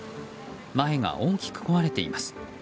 前が大きく壊れています。